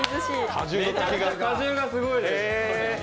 果汁がすごいです。